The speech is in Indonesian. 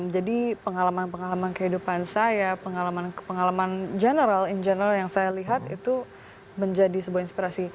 jadi pengalaman pengalaman kehidupan saya pengalaman general yang saya lihat itu menjadi sebuah inspirasi